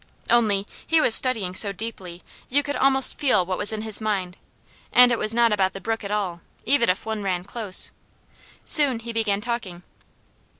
Only he was studying so deeply you could almost feel what was in his mind, and it was not about the brook at all, even if one ran close. Soon he began talking.